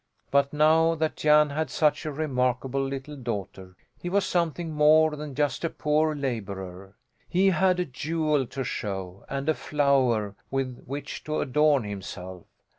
But now that Jan had such a remarkable little daughter he was something more than just a poor labourer. He had a jewel to show and a flower with which to adorn himself.